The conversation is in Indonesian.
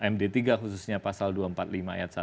md tiga khususnya pasal dua ratus empat puluh lima ayat satu